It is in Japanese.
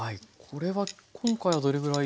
これは今回はどれぐらい？